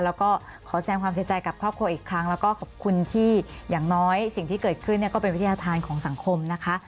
แล้วก็ขอแสดงความเสียใจกับครอบครัวอีกครั้งแล้วก็ขอบคุณที่อย่างน้อยสิ่งที่เกิดขึ้นก็เป็นวิทยาธารของสังคมนะคะ